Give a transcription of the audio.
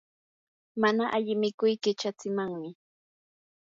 mana alli mikuy qichatsimanmi.